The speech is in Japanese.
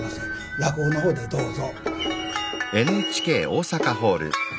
落語の方でどうぞ。